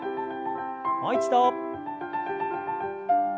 もう一度。